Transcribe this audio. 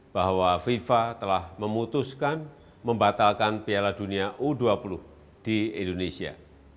bahwa fifa telah memutuskan membatalkan piala dunia u dua puluh di indonesia